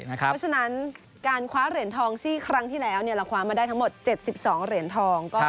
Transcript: เพราะฉะนั้นการคว้าเหรียญทองซี่ครั้งที่แล้วเราคว้ามาได้ทั้งหมด๗๒เหรียญทอง